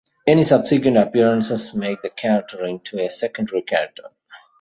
Any subsequent appearances make the character into a secondary character.